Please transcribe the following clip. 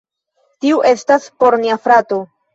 Tiu estas por nia frato